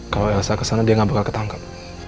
kalau elsa kesana dia gak bakal ketangkep